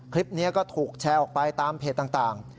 คลิปนี้ก็ถูกแชร์ออกไปตามเพจต่าง